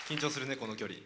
この距離。